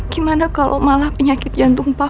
gimana kalau malah penyakit jantung pak